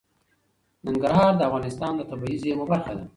ننګرهار د افغانستان د طبیعي زیرمو برخه ده.